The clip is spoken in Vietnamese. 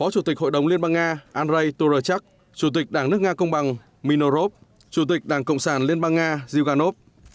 chủ tịch đảng nước nga andrei turochak chủ tịch đảng nước nga công bằng minorov chủ tịch đảng cộng sản liên bang nga zyuganov